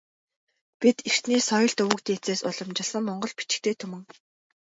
Бидэртний соёлт өвөг дээдсээс уламжилсан монгол бичигтэй түмэн.